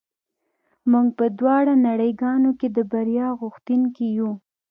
موږ په دواړو نړۍ ګانو کې د بریا غوښتونکي یو